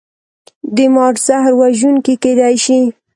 د مار زهر وژونکي کیدی شي